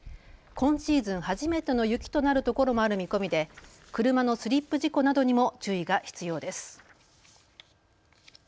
今シーズン初めての雪となるところもある見込みで車のスリップ事故などにも注意が必要です。